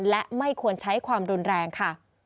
และไม่ควรใช้ความรุนแรงค่ะ